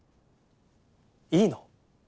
いいの？